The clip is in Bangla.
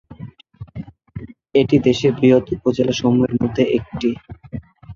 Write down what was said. এটি দেশের বৃহৎ উপজেলা সমূহের মধ্যে একটি।